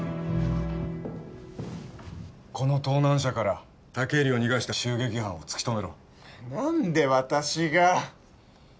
この盗難車から武入を逃がした襲撃犯を突き止めろ何で私が？